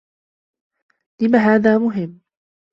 لم هذا مهم؟